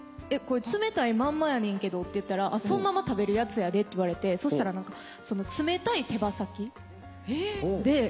これ冷たいまんまやねんけどって言ったらそのまま食べるやつやでって言われてそしたら冷たい手羽先で。